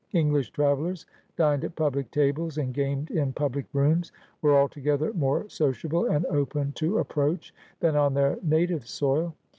English travellers dined at public tables, and gamed in public rooms^were altogether more sociable and open to approach than on their native soil.